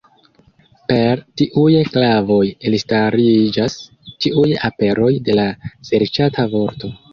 Per tiuj klavoj elstariĝas ĉiuj aperoj de la serĉata vorto.